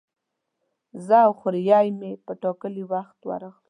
زه او خوریی مې پر ټاکلي وخت ورغلو.